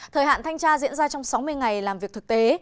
thời hạn thanh tra diễn ra trong sáu mươi ngày làm việc thực tế